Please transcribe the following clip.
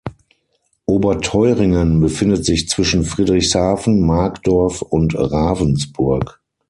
Oberteuringen befindet sich zwischen Friedrichshafen, Markdorf und Ravensburg.